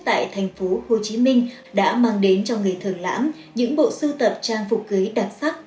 tại thành phố hồ chí minh đã mang đến cho người thường lãm những bộ sưu tập trang phục cưới đặc sắc